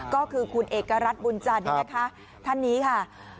ก็คือคุณเอกรัฐบุญจันทร์ท่านนี้ค่ะ